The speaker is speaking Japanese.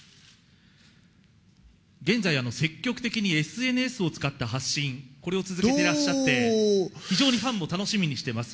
現在、積極的にＳＮＳを使った発信、これを続けていらっしゃって、非常にファンも楽しみにしています。